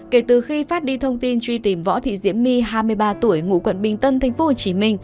kể từ khi phát đi thông tin truy tìm võ thị diễm my hai mươi ba tuổi ngụ quận bình tân tp hcm